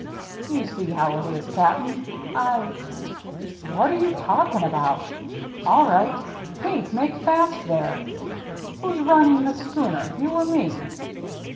" You see how it is, Cap'n, I —"" What are you talking about ? All right. Pink, make fast there ! Who's running this schooner, you or me